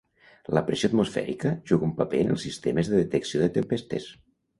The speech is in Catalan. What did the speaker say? La pressió atmosfèrica juga un paper en els sistemes de detecció de tempestes.